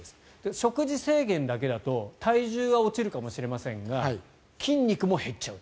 食事制限だけだと体重は落ちるかもしれませんが筋肉も減っちゃうと。